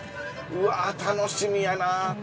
うわ楽しみやな。